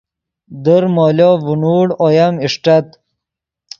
در مولو ڤینوڑ اویم اݰٹت